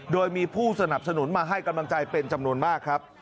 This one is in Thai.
โดยมีผู้สนับสนุนมาให้กำลังใจเป็นจำนวนมากครับ